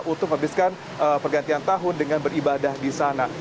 untuk menghabiskan pergantian tahun dengan beribadah di sana